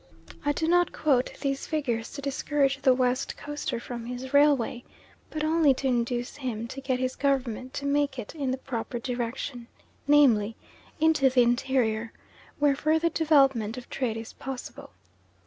I do not quote these figures to discourage the West Coaster from his railway, but only to induce him to get his Government to make it in the proper direction, namely, into the interior, where further development of trade is possible.